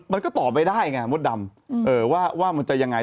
มันก็ตอบไปได้ไงมดดำว่ามันจะยังไง